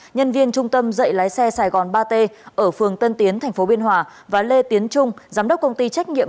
nhân viên trung tâm dạy lái xe sài gòn ba t ở phường tân tiến tp biên hòa và lê tiến trung giám đốc công ty trách nhiệm